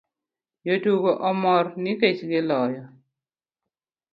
Jotugo omor nikech giloyo